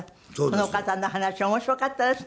この方の噺面白かったですね。